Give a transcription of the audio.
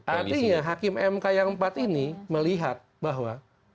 artinya hakim mk yang empat ini melihat bahwa